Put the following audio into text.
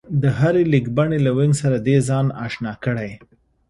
د هرې لیکبڼې له وينګ سره دې ځان اشنا کړي